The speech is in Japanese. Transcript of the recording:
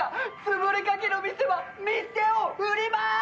つぶれかけの店は店を売りまーす！